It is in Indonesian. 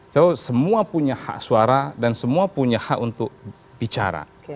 so semua punya hak suara dan semua punya hak untuk bicara